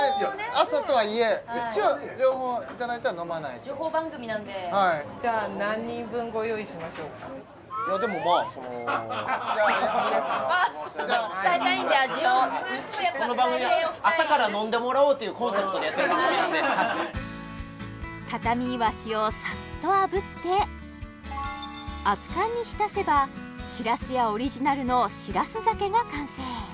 朝とはいえ一応情報いただいたら飲まないと情報番組なんででもまあその皆さんあっ伝えたいんで味をこの番組は朝から飲んでもらおうというコンセプトでやってる番組なんでたたみいわしをさっとあぶって熱かんにひたせばしらすやオリジナルのしらす酒が完成